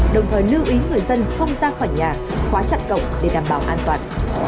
đồng thời lưu ý người dân không ra khỏi nhà khóa chặt cổng để đảm bảo an toàn